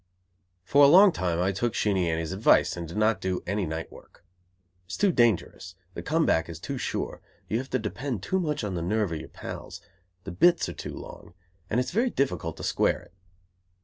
_ For a long time I took Sheenie Annie's advice and did not do any night work. It is too dangerous, the come back is too sure, you have to depend too much on the nerve of your pals, the "bits" are too long; and it is very difficult to square it.